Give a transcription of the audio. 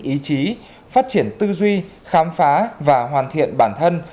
ý chí phát triển tư duy khám phá và hoàn thiện bản thân